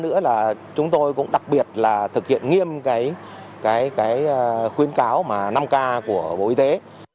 thứ ba nữa là chúng tôi cũng đặc biệt là thực hiện nghiêm cái khuyến cáo năm k của bộ y tế